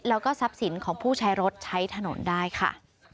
แล้วก็ทรัพย์สินของผู้ใช้รถใช้ถนนได้ค่ะ